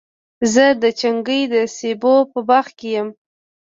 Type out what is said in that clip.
زه د چنګۍ د سېبو په باغ کي یم.